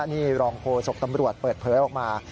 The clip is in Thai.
นี่รองโฆษกตำรวจเปิดเผยออกมา